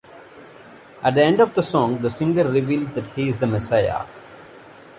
At the end of the song the singer reveals that he is the messiah.